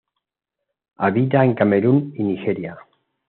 Habita en Camerún y Nigeria.